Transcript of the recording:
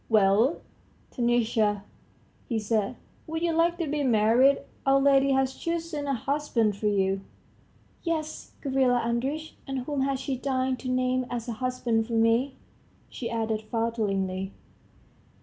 "Well, Taniusha," he said, "would you like to be married? Our lady has chosen a husband for you?" "Yes, Gavrila Andreitch. And whom has she deigned to name as a husband for me?" she added falteringly.